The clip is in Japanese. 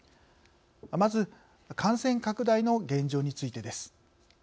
まず感染拡大の現状についてです。